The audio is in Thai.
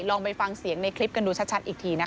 ลองไปฟังเสียงในคลิปกันดูชัดอีกทีนะคะ